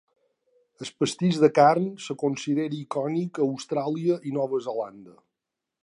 El pastís de carn es considera icònic a Austràlia i Nova Zelanda.